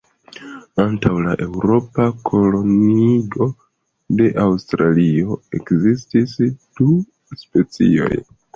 Antaŭ la eŭropa koloniigo de Aŭstralio, ekzistis du specioj.